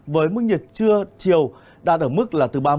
với mức nhiệt chưa chiều đạt ở mức là từ ba mươi đến ba mươi ba độ